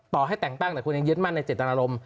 ต่อให้แต่งตั้งแต่คุณยังยึดมั่นในเจตนารมณ